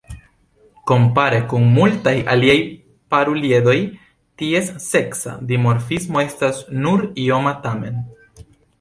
Kompare kun multaj aliaj paruliedoj, ties seksa dimorfismo estas nur ioma tamen.